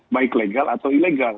baik legal atau ilegal